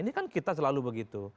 ini kan kita selalu begitu